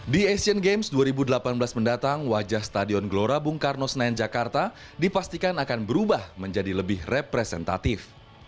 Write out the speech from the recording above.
di asian games dua ribu delapan belas mendatang wajah stadion gelora bung karno senayan jakarta dipastikan akan berubah menjadi lebih representatif